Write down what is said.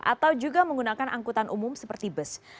atau juga menggunakan angkutan umum seperti bus